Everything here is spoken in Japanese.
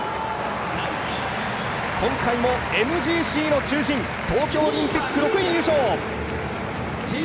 今回もＭＧＣの中心、東京オリンピック６位入賞。